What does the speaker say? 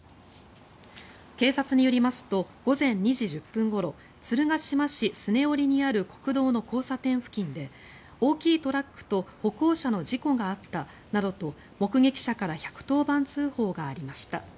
警察によりますと午前２時１０分ごろ鶴ヶ島市脚折にある国道の交差点付近で大きいトラックと歩行者の事故があったなどと目撃者から１１０番通報がありました。